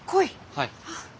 はい。